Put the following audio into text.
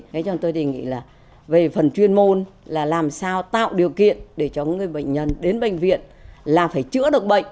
thế cho tôi thì nghĩ là về phần chuyên môn là làm sao tạo điều kiện để cho người bệnh nhân đến bệnh viện là phải chữa được bệnh